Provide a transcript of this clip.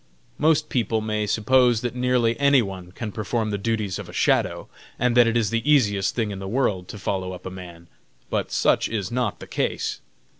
Most people may suppose that nearly any one can perform the duties of a "shadow", and that it is the easiest thing in the world to follow up a man; but such is not the case.